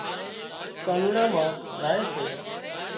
ڪانوڙا مان زائي سي